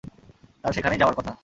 তার সেখানেই যাওয়ার কথা।